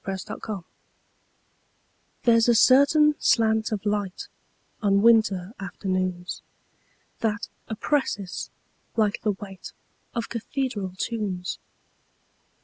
Part Two: Nature LXXXII THERE'S a certain slant of light, On winter afternoons, That oppresses, like the weightOf cathedral tunes.